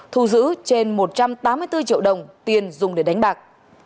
thu giữ trên một trăm tám mươi bốn triệu đồng tiền dùng để đánh bạc